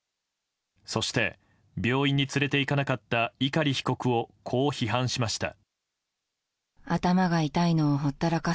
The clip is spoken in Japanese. そして病院に連れていかなかった碇被告を、こう批判しました。